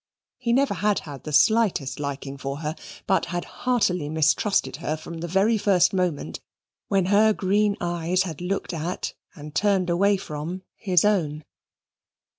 He never had had the slightest liking for her, but had heartily mistrusted her from the very first moment when her green eyes had looked at, and turned away from, his own.